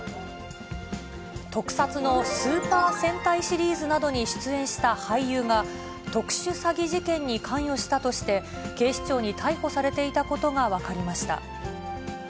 特撮のスーパー戦隊シリーズなどに出演した俳優が、特殊詐欺事件に関与したとして、警視庁に逮捕されていたことが分かりました。